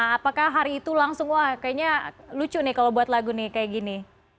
apakah hari itu langsung wah kayaknya lucu nih kalau buat lagu nih kayak gini